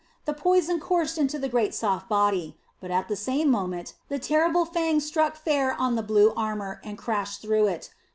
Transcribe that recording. The poison coursed into the great soft body. But at the same moment the terrible fangs struck fair on the blue armor and crashed through it.